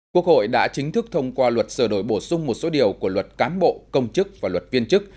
quốc hội đã chính thức thông qua luật sửa đổi bổ sung một số điều của luật cán bộ công chức và luật viên chức